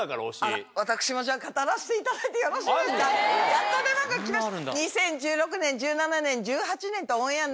やっと出番がきました。